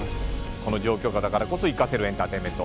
この状況下だからこそ生かせるエンターテインメント。